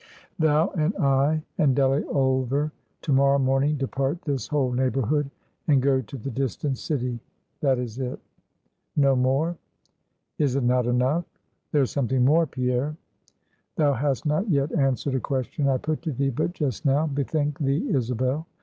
"Thou, and I, and Delly Ulver, to morrow morning depart this whole neighborhood, and go to the distant city. That is it." "No more?" "Is it not enough?" "There is something more, Pierre." "Thou hast not yet answered a question I put to thee but just now. Bethink thee, Isabel.